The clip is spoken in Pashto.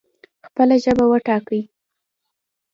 خپله ژبه وټاکئ